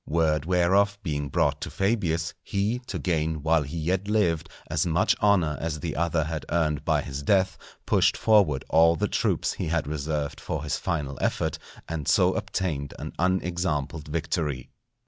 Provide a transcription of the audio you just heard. Word whereof being brought to Fabius, he, to gain, while he yet lived, as much honour as the other had earned by his death, pushed forward all the troops he had reserved for his final effort, and so obtained an unexampled victory.